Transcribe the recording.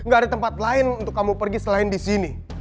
gak ada tempat lain untuk kamu pergi selain disini